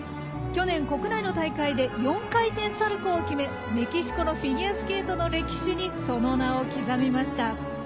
去年、国内の大会で４回転サルコーを決めメキシコのフィギュアスケートの歴史にその名を刻みました。